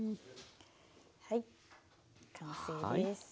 はい完成です。